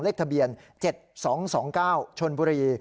เลขทะเบียน๗๒๒๙ชนบุรี